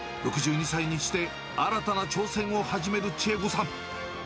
６２歳にして新たな挑戦を始める千恵子さん。